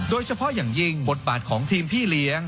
โดยเฉพาะอย่างยิ่งบทบาทของทีมพี่เลี้ยง